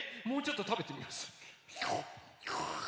もうちょっとたべてみます。